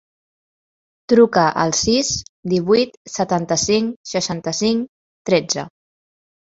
Truca al sis, divuit, setanta-cinc, seixanta-cinc, tretze.